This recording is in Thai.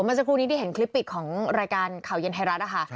เมื่อสักครู่นี้ที่เห็นคลิปปิดของรายการข่าวเย็นไทยรัฐนะคะ